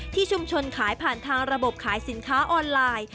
ที่ชุมชนขายผ่านทางระบบขายสินค้าออนไลน์